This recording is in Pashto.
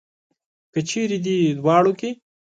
که چېرې دې دواړو کې.